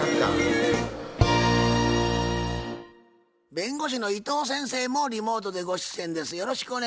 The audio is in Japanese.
弁護士の伊藤先生もリモートでご出演です。